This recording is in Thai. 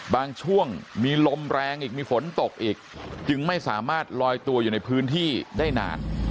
ช่วงมีลมแรงอีกมีฝนตกอีกจึงไม่สามารถลอยตัวอยู่ในพื้นที่ได้นาน